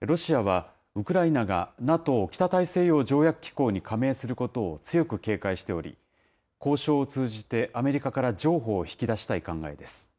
ロシアは、ウクライナがＮＡＴＯ・北大西洋条約機構に加盟することを強く警戒しており、交渉を通じて、アメリカから譲歩を引き出したい考えです。